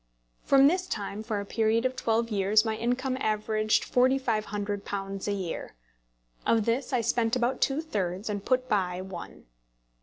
From this time for a period of twelve years my income averaged £4500 a year. Of this I spent about two thirds, and put by one.